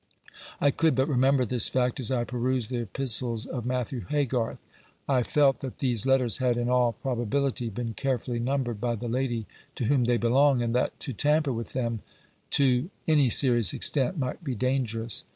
I could but remember this fact, as I perused the epistles of Matthew Haygarth. I felt that these letters had in all probability been carefully numbered by the lady to whom they belong, and that to tamper with them to any serious extent might be dangerous.